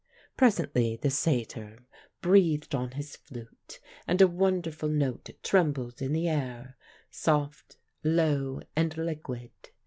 "Presently the satyr breathed on his flute and a wonderful note trembled in the air, soft, low, and liquid.